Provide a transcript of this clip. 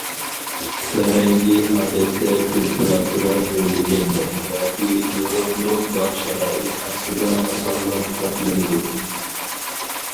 بەرەڭگى ئادەتتە تېمپېراتۇرا ئۆرلىگەندە ياكى يورۇقلۇق بار شارائىت ئاستىدا ئاسانلا بىخلىنىدۇ.